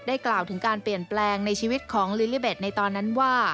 กล่าวถึงการเปลี่ยนแปลงในชีวิตของลิลิเบ็ดในตอนนั้นว่า